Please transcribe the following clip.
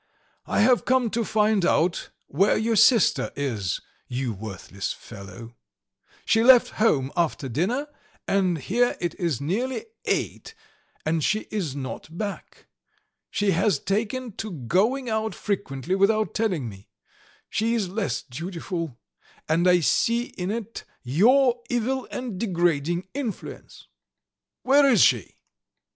"I have come to find out where your sister is, you worthless fellow. She left home after dinner, and here it is nearly eight and she is not back. She has taken to going out frequently without telling me; she is less dutiful and I see in it your evil and degrading influence. Where is she?"